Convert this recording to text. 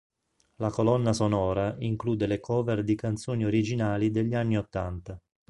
La colonna sonora include le cover di canzoni originali degli anni ottanta.